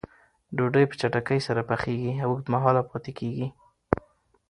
ډوډۍ په چټکۍ سره پخیږي او اوږد مهاله پاتې کېږي.